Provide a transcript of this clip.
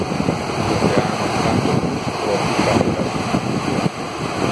Io te ama tanto plus pro tu faltas.